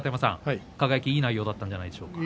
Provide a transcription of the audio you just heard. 輝、いい内容だったんじゃないでしょうか。